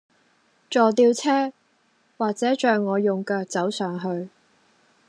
坐吊車，或者像我用腳走上去